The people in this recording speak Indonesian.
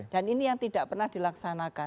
dan ini yang tidak pernah dilaksanakan